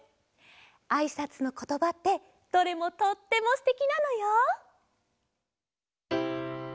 あいさつのことばってどれもとってもすてきなのよ。